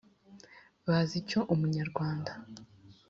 bazi icyo ubunyarwanda